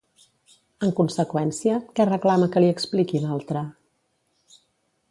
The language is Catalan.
En conseqüència, què reclama que li expliqui l'altre?